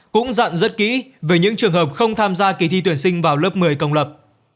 cũng dặn rất kỹ về những trường hợp không tham gia kỳ thi tuyển sinh vào lớp một mươi công lập